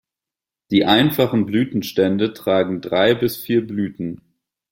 Die einfachen Blütenstände tragen drei bis vier Blüten.